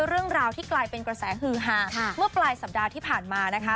เรื่องราวที่กลายเป็นกระแสฮือหาเมื่อปลายสัปดาห์ที่ผ่านมานะคะ